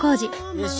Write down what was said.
よし。